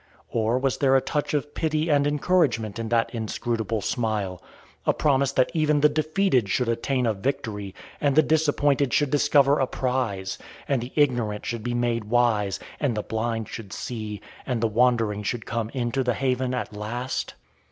Or was there a touch of pity and encouragement in that inscrutable smile a promise that even the defeated should attain a victory, and the disappointed should discover a prize, and the ignorant should be made wise, and the blind should see, and the wandering should come into the haven at last?